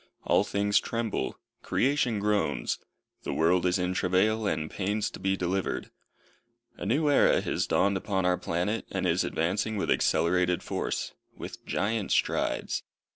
All things tremble; creation groans; the world is in travail, and pains to be delivered. A new era has dawned upon our planet, and is advancing with accelerated force with giant strides.